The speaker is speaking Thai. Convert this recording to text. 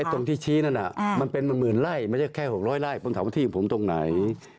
ตรงที่ชี้นั่นมันเป็นหมื่นไร่ไม่ใช่แค่๖๐๐ไร่ผมถามว่าที่ผมตรงไหน